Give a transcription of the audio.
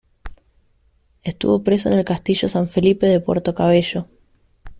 Estuvo preso en el castillo San Felipe de Puerto Cabello.